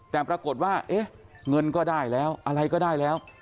แต่ปรากฏว่าเอ๊ะเงินก็ได้แล้วอะไรก็ได้แล้ว